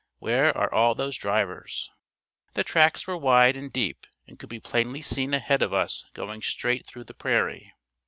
Where are all those drivers? The tracks were wide and deep and could be plainly seen ahead of us going straight through the prairie.